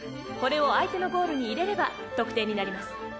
これを相手のゴールに入れれば得点になります。